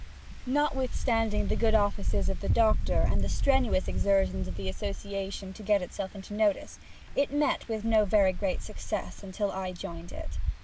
Notwithstanding the good offices of the Doctor, and the strenuous exertions of the association to get itself into notice, it met with no very great success until I joined it.